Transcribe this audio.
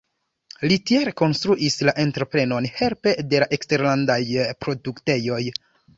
Li tie rekonstruis la entreprenon helpe de la eksterlandaj produktejoj.